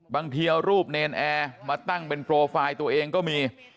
บางทีเอารูปเนรนแอร์มาตั้งเป็นโปรไฟล์ตัวเองก็มี